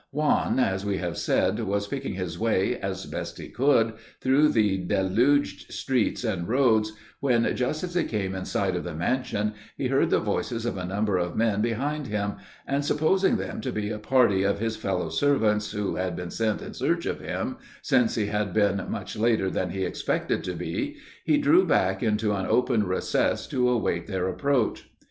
Juan, as we have said, was picking his way, as best he could, through the deluged streets and roads, when, just as he came in sight of the mansion, he heard the voices of a number of men behind him, and supposing them to be a party of his fellow servants who had been sent in search of him, since he had been much later than he expected to be, he drew back into an open recess to await their approach.